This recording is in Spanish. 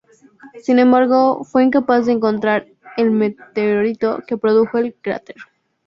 Sin embargo, fue incapaz de encontrar el meteorito que produjo el cráter.